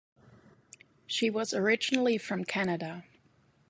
She was originally from Canada.